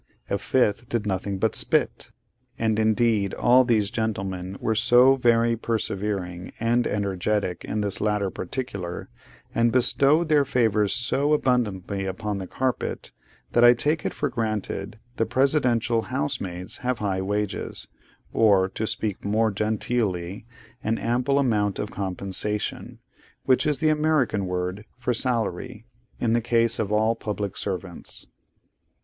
A fifth did nothing but spit. And indeed all these gentlemen were so very persevering and energetic in this latter particular, and bestowed their favours so abundantly upon the carpet, that I take it for granted the Presidential housemaids have high wages, or, to speak more genteelly, an ample amount of 'compensation:' which is the American word for salary, in the case of all public servants.